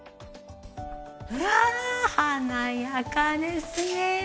うわあ華やかですね。